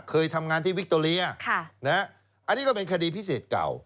เคยทำงานที่วิคโตเรียอันนี้ก็เป็นคดีพิเศษเก่า